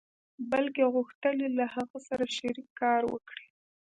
بلکې غوښتل يې له هغه سره شريک کار وکړي.